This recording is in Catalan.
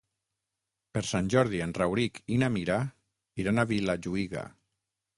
Per Sant Jordi en Rauric i na Mira iran a Vilajuïga.